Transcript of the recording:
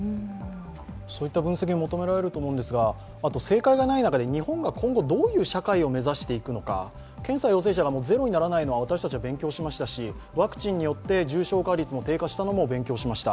そういった分析を求められると思うんですが、正解がない中で日本が今後どういう社会を目指していくのか検査・陽性者がゼロにならないのは勉強しましたし重症化率が低下したのも勉強しました。